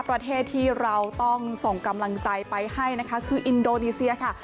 ประเทศที่เราต้องส่งกำลังใจไปให้นะคะคืออินโดนีเซียค่ะ